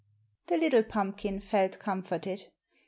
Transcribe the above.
The little pumpkin felt comforted.